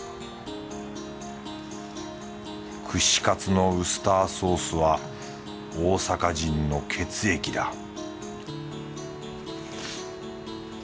串かつのウスターソースは大阪人の血液だ